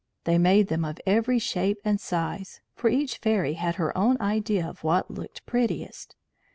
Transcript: They made them of every shape and size, for each fairy had her own idea of what looked prettiest.